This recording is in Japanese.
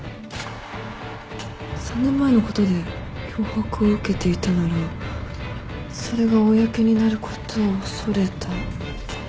３年前のことで脅迫を受けていたならそれが公になることを恐れた。